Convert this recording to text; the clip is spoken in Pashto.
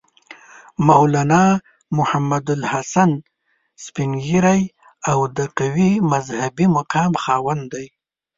مولنا محمودالحسن سپین ږیری او د قوي مذهبي مقام خاوند دی.